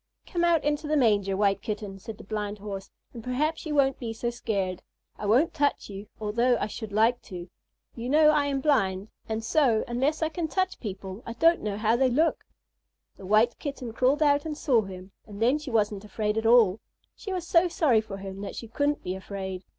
"Come out into the manger, White Kitten," said the Blind Horse, "and perhaps you won't be so scared. I won't touch you, although I should like to. You know I am blind, and so, unless I can touch people I don't know how they look." [Illustration: I AM THE WHITE KITTEN.] The White Kitten crawled out and saw him, and then she wasn't afraid at all. She was so sorry for him that she couldn't be afraid.